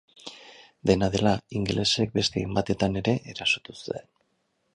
Dena dela ingelesek beste hainbatetan ere erasotu zuten.